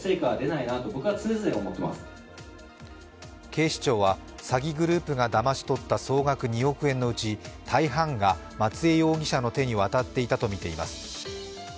警視庁は詐欺グループがだまし取った総額２億円のうち大半が松江容疑者の手に渡っていたとみています。